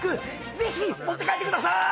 ぜひ持って帰ってくださーい！